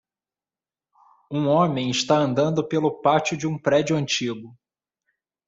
Um homem está andando pelo pátio de um prédio antigo.